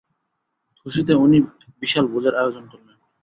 খুশিতে উনি এক বিশাল ভোজের আয়োজন করলেন।